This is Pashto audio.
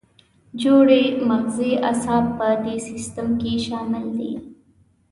جوړې مغزي اعصاب په دې سیستم کې شامل دي.